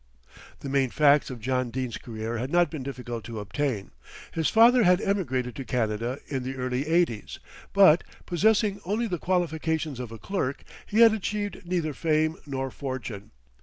The main facts of John Dene's career had not been difficult to obtain. His father had emigrated to Canada in the early eighties; but, possessing only the qualifications of a clerk, he had achieved neither fame nor fortune.